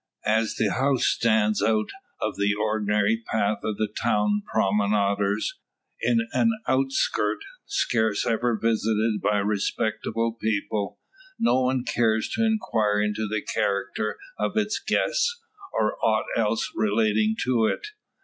As the house stands out of the ordinary path of town promenaders, in an outskirt scarce ever visited by respectable people, no one cares to inquire into the character of its guests, or aught else relating to it.